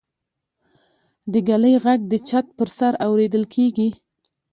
د ږلۍ غږ د چت پر سر اورېدل کېږي.